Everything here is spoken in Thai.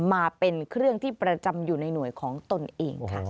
มาเป็นเครื่องที่ประจำอยู่ในหน่วยของตนเองค่ะ